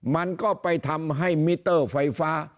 มันก็ไปทำให้มิเตอร์ไฟฟ้า